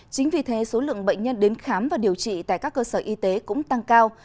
chính vì thế số lượng bệnh nhân đến khám và điều trị tại các cơ sở y tế cũng tăng cao